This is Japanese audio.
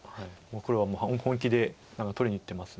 黒はもう本気で取りにいってます。